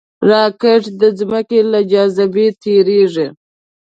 راکټ د ځمکې له جاذبې تېریږي